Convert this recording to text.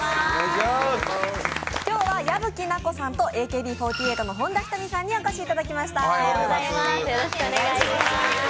今日は矢吹奈子さんとＡＫＢ４８の本田仁美さんにお越しいただきました。